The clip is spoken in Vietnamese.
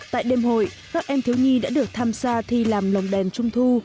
tại đêm hội các em thiếu nhi đã được tham gia thi làm lồng đèn trung thu